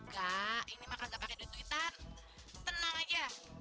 gak ini mah kagak pakai duit witan tenang aja